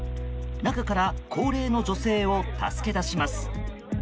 中から高齢の女性を助け出します。